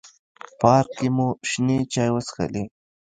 پارک کې مو شنې چای وڅښلې.